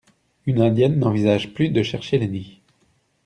Une indienne n'envisage plus de chercher les nids.